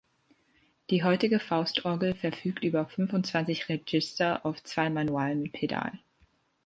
Die heutige Faust-Orgel verfügt über fünfundzwanzig Register auf zwei Manualen mit Pedal.